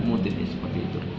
mungkin seperti itu